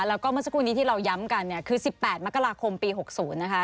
แล้วก็เมื่อสักครู่นี้ที่เราย้ำกันเนี่ยคือ๑๘มกราคมปี๖๐นะคะ